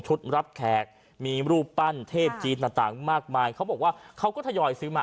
รับแขกมีรูปปั้นเทพจีนต่างมากมายเขาบอกว่าเขาก็ทยอยซื้อมา